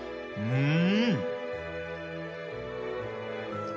うん。